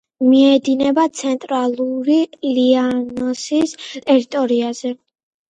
მიედინება ცენტრალური ლიანოსის ტერიტორიაზე.